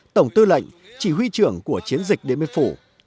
tổng tư lệnh chỉ huy trưởng của chiến dịch đến bên phủ